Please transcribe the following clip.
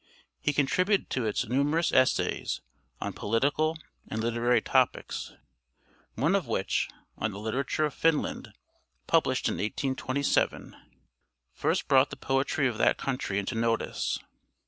He contributed to it numerous essays on political and literary topics, one of which, on the literature of Finland, published in 1827, first brought the poetry of that country into notice.